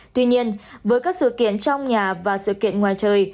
tuy nhiên với các sự kiện trong nhà và sự kiện ngoài trời